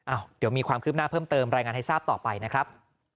เดี๋ยวมีความคืบหน้าเพิ่มเติมรายงานให้ทราบต่อไปนะครับ